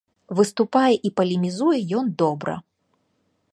Выступае і палемізуе ён добра.